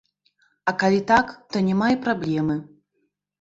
А калі так, то няма і праблемы.